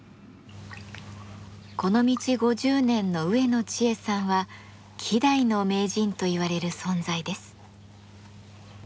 この道５０年の植野知恵さんは希代の名人といわれる存在です。